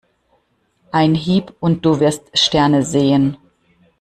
Ein Hieb und du wirst Sterne sehen.